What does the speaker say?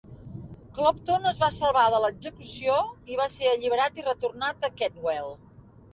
Clopton es va salvar de l'execució i va ser alliberat i retornat a Kentwell.